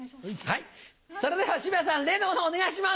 それでは澁谷さん例の物をお願いします！